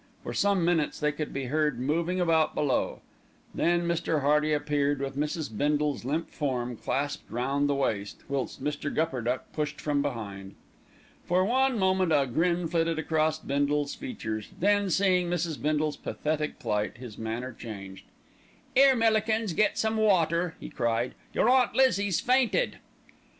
For some minutes they could be heard moving about below, then Mr. Hearty appeared with Mrs. Bindle's limp form clasped round the waist, whilst Mr. Gupperduck pushed from behind. For one moment a grin flitted across Bindle's features, then, seeing Mrs. Bindle's pathetic plight, his manner changed. "'Ere, Millikins, get some water," he cried. "Your Aunt Lizzie's fainted."